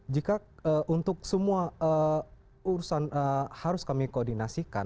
jika untuk semua urusan harus kami koordinasikan